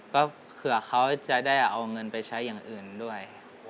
ก็เผื่อเขาจะได้เอาเงินไปใช้อย่างอื่นด้วย